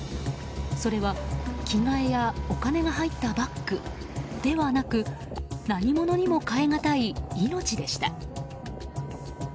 それは着替えやお金が入ったバッグではなく何物にも代えがたい命でした。